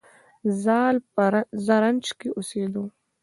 زال په زرنج کې اوسیده